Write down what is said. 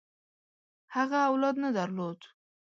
هغه اولاد نه درلود.